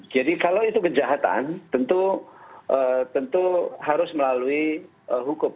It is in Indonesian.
jadi kalau itu kejahatan tentu harus melalui hukum